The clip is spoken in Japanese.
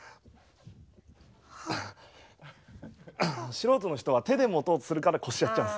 素人の人は手で持とうとするから腰やっちゃうんです。